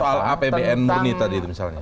soal apbn murni tadi misalnya